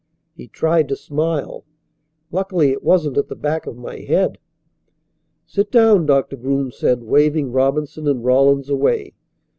He tried to smile. "Luckily it wasn't at the back of my head." "Sit down," Doctor Groom said, waving Robinson and Rawlins away.